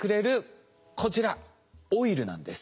オイルなんです。